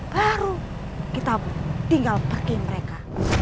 baru kita tinggal pakai mereka